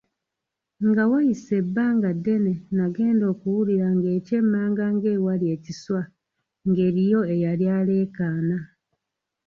Nga wayise ebbanga ddene nagenda okuwulira ng’ekyemmanga ng’ewali ekiswa ng’eriyo eyali alekaana.